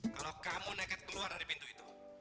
kalau kamu nekat keluar dari pintu itu